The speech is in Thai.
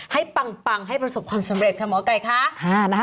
ให้ปังให้ประสบความสำเร็จค่ะหมอไก่คะ